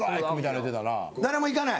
誰もいかない？